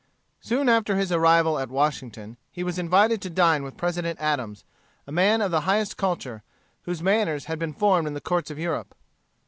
Soon after his arrival at Washington he was invited to dine with President Adams, a man of the highest culture, whose manners had been formed in the courts of Europe.